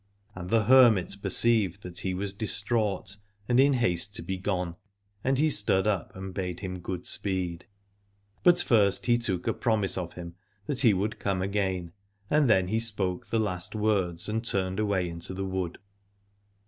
And the hermit perceived that he was distraught and in haste to be gone : and he stood up and bade him good speed. But first he took a promise of him that he would come again, and then he spoke the last words and turned away into the wood.